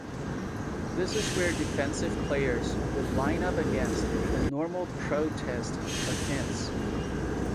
This is where defensive players would line up against a normal Pro Set offense.